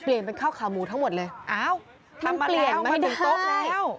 เปลี่ยนเป็นข้าวขาวหมูทั้งหมดเลยอ้าวทำมาแล้วมาถึงโต๊ะแล้ว